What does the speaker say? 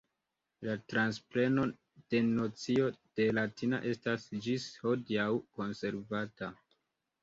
La transpreno de nocio de latina estas ĝis hodiaŭ konservata.